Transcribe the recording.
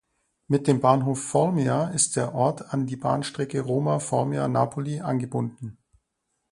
Mit dem Bahnhof "Formia" ist der Ort an die Bahnstrecke Roma–Formia–Napoli angebunden.